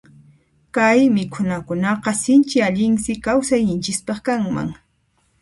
Kay mikhunakunaqa sinchi allinsi kawsayninchispaq kanman.